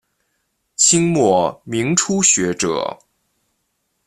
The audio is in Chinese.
清末民初学者。